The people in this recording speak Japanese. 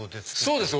そうです